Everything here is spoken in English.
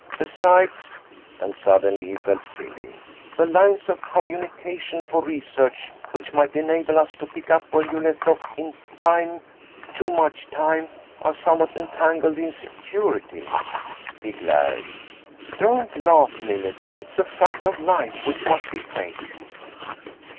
Besides," and suddenly he felt silly, "the lines of communication for research which might enable us to pick up where you left off, in time—too much time—are somewhat entangled in security." He glared. "Don't laugh, Millet; it's a fact of life which must be faced."